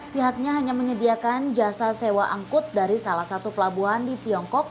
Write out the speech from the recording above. pihaknya hanya menyediakan jasa sewa angkut dari salah satu pelabuhan di tiongkok